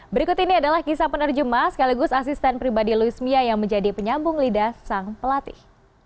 berikut ini adalah kisah penerjemah sekaligus asisten pribadi louis mia yang menjadi penyambung lidah sang pelatih